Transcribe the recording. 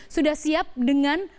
sudah siap dengan